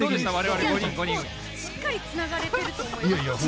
しっかりつながれていると思います。